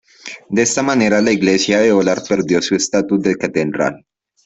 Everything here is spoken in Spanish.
De esta manera la iglesia de Hólar perdió su estatus de catedral.